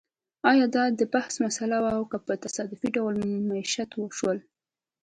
ایا دا د بخت مسئله وه او په تصادفي ډول مېشت شول